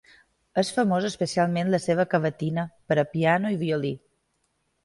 És famosa especialment la seva Cavatina, per a piano i violí.